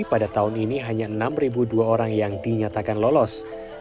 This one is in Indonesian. pada tahun ini hanya enam dua orang yang dinyatakan lolos